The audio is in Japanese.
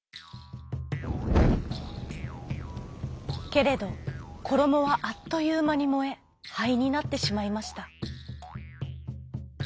けれどころもはあっというまにもえはいになってしまいました。